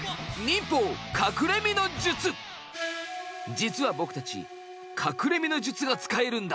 実は僕たち隠れ身の術が使えるんだ。